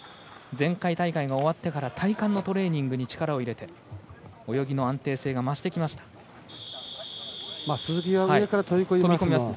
前回大会が終わってから体幹のトレーニングに力を入れて泳ぎの安定性が増してきました。